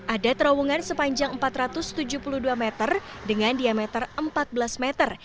ada terowongan sepanjang empat ratus tujuh puluh dua meter dengan diameter empat belas meter